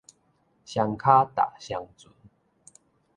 雙跤踏雙船